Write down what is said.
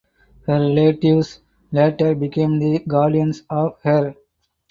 Her relatives later became the guardians of her.